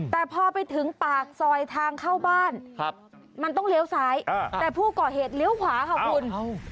แต่พอไปถึงปากซอยทางเข้าบ้านมันต้องเลี้ยวซ้ายแต่ผู้ก่อเหตุเลี้ยวขวาค่ะคุณ